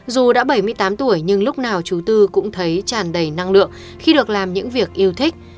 dù đã bảy mươi tám tuổi nhưng lúc nào chú tư cũng thấy tràn đầy năng lượng khi được làm những việc yêu thích